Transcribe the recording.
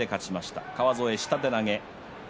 川副、下手投げ。